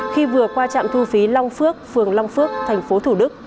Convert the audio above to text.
khi vừa qua trạm thu phí long phước phường long phước tp thủ đức